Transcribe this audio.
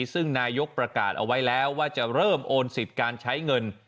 ซึ่งนายกประกาศเอาไว้แล้วว่าจะเริ่มโอนสิทธิ์การใช้เงิน